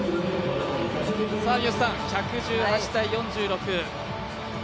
１１８−４６。